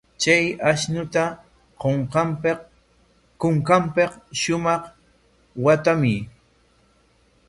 Chay ashnuta kunkanpik shumaq waatamuy.